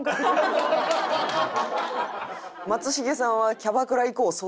松重さんは「キャバクラ行こう。